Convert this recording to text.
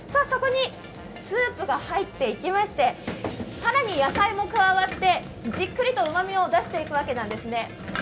そこにスープが入っていきまして、更に野菜も加わってじっくりとうまみを出していくわけなんです